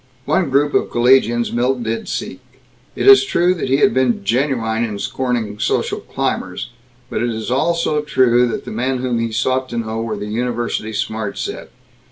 One group of collegians Milt did seek. It is true that he had been genuine in scorning social climbers. But it is also true that the men whom he sought to know were the university smart set.